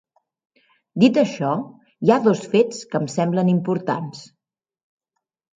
Dit això, hi ha dos fets que em semblem importants.